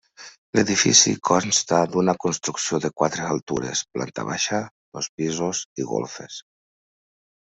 L'edifici consta d'una construcció de quatre altures, planta baixa, dos pisos i golfes.